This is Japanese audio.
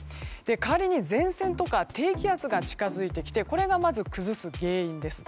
代わりに前線とか低気圧が近づいてきてこれが、まず崩す原因です。